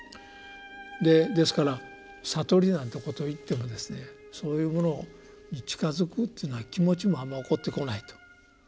ですから悟りなんていうことを言ってもですねそういうものに近づくというような気持ちもあんまり起こってこないと。